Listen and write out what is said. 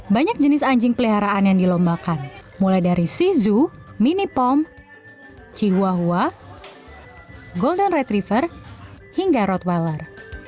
banyak jenis anjing peliharaan yang dilombakan mulai dari shih tzu mini pom chihuahua golden retriever hingga rottweiler